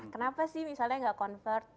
kenapa sih misalnya nggak convert